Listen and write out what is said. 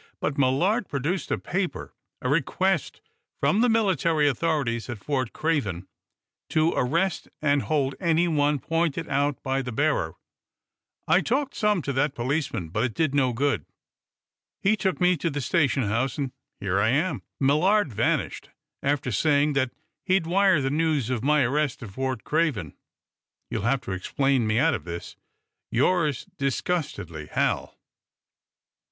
But Millard produced a paper a request from the military authorities at Fort. Craven, to arrest and hold anyone pointed out by the bearer. I talked some to that policeman, but it did no good. He took me to the station house, and here I am! Millard vanished, after saying that he'd wire the news of my arrest to Fort Craven. You'll have to explain me out of this. Yours disgustedly, Hal."